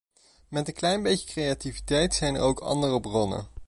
Met een klein beetje creativiteit zijn er ook andere bronnen.